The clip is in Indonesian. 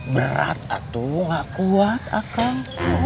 berat atu nggak kuat akang